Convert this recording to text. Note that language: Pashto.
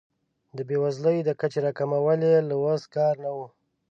د بیوزلۍ د کچې راکمول یې له وس کار نه و.